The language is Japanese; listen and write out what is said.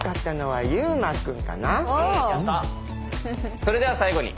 それでは最後に。